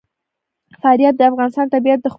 فاریاب د افغانستان د طبیعت د ښکلا برخه ده.